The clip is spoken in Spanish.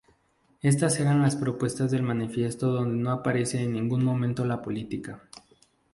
Estas eran las propuestas del manifiesto donde no aparece en ningún momento la política.